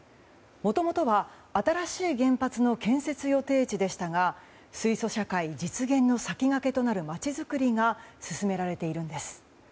もともとは新しい原発の建設予定地でしたが水素社会実現の先駆けとなる町づくりが進められているんです。